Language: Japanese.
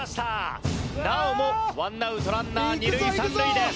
なおもワンアウトランナー二塁三塁です。